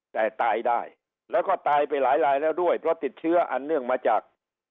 แต่ตายได้แล้วก็ตายไปหลายลายแล้วด้วยเพราะติดเชื้ออันเนื่องมาจาก